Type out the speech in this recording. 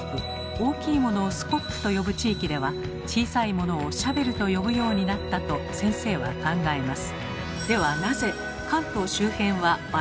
大きいものをスコップと呼ぶ地域では小さいものをシャベルと呼ぶようになったと先生は考えます。